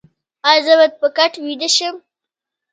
ایا زه باید په کټ ویده شم؟